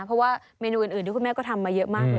เพราะว่าเมนูอื่นที่คุณแม่ก็ทำมาเยอะมากเลย